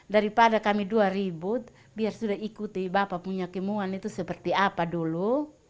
daripada kami dua ribu biar sudah ikuti bapak punya kemuan itu seperti apa dulu